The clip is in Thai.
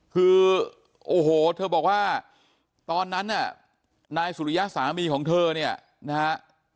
คือโอ้โหเธอบอกว่าตอนนั้นน่ะนายสุริยะสามีของเธอเนี่ยนะฮะ